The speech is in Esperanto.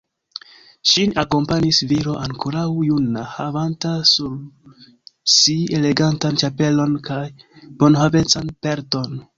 Ŝin akompanis viro ankoraŭ juna, havanta sur si elegantan ĉapelon kaj bonhavecan pelton.